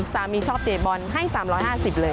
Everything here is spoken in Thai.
สามีชอบเตะบอลให้๓๕๐เลย